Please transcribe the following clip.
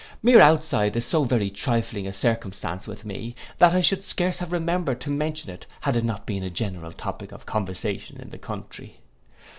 Mere outside is so very trifling a circumstance with me, that I should scarce have remembered to mention it, had it not been a general topic of conversation in the country.